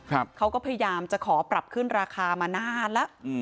เขาก็พยายามจะขอปรับขึ้นราคามานานแล้วอืม